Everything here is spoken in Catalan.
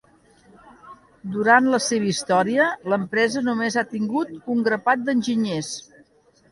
Durant la seva història, l'empresa només ha tingut un grapat d'enginyers.